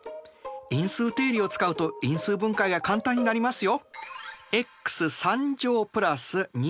因数定理を使うと因数分解が簡単になりますよ。